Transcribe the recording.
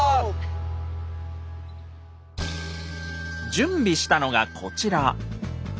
準備したのがこちら。